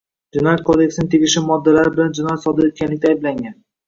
Jinoyat kodeksining tegishli moddalari bilan jinoyat sodir etganlikda ayblangan.